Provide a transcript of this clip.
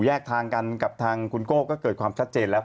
แยกทางกันกับทางคุณโก้ก็เกิดความชัดเจนแล้ว